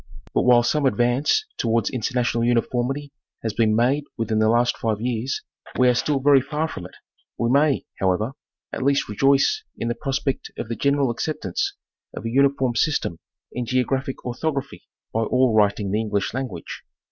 But while some advance towards international uniformity has been made within the last five years, we are still very far from it ; we may, however, at least rejoice in the pros pect of the general acceptance of a uniform system in geographic orthography by all writing the English language.